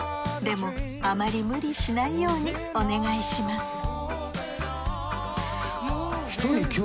でもあまり無理しないようにお願いします